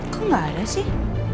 kok gak ada sih